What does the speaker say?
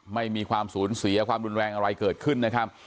ไม่มีความสูญเสียความรุนแรงอะไรเกิดขึ้นนะครับ